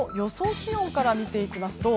気温から見ていきます。